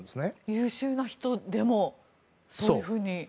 優秀な人でもそういうふうに。